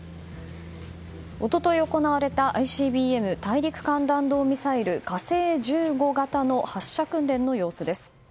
一昨日、行われたＩＣＢＭ・大陸間弾道ミサイル「火星１５」型の発射訓練の様子です。